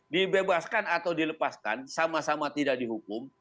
dibebaskan atau dilepaskan sama sama tidak dihukum